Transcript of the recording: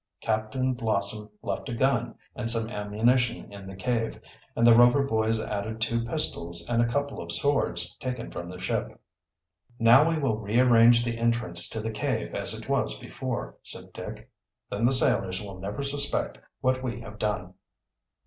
Captain Blossom left a gun and some ammunition in the cave, and the Rover boys added two pistols and a couple of swords taken from the ship. "Now we will re arrange the entrance to the cave as it was before," said Dick. "Then the sailors will never suspect what we have done."